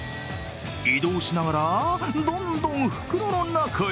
移動しながら、どんどん袋の中へ。